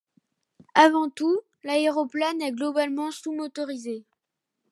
Avant tout, l'aéroplane est globalement sous-motorisé.